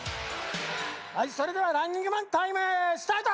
はいそれではランニングマンタイムスタート！